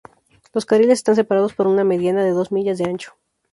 Los carriles están separados por una "mediana" de dos millas de ancho.